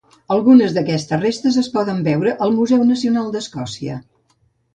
Algunes d'aquestes restes es poden veure al Museu Nacional d'Escòcia.